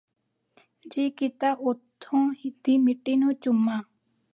ਜੀਅ ਕੀਤਾ ਉਥੋਂ ਦੀ ਮਿੱਟੀ ਨੂੰ ਚੁੰਮਾਂ